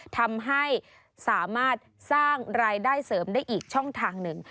ทำให้สามารถสร้างรายได้เสริมได้อีกช่องทางหนึ่ง